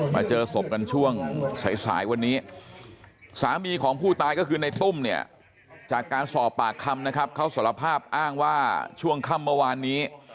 มาเจอศพกันช่วงสายสายวันนี้สามีของผู้ตายก็คือในตุ้มเนี่ยจากการสอบปากคำนะครับเขาสารภาพอ้างว่าช่วงค่ำเมื่อวานนี้